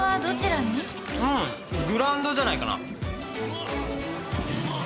うんグラウンドじゃないかな。